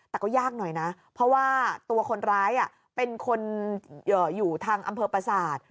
แต่ก็ยากหน่อยนะเพราะว่าตัวคนร้ายเป็นคนอยู่ทางอำเภอประสาท